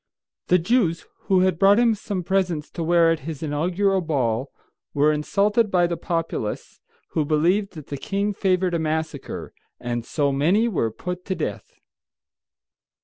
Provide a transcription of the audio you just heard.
The Jews, who had brought him some presents to wear at his inaugural ball, were insulted by the populace, who believed that the king favored a massacre, and so many were put to death.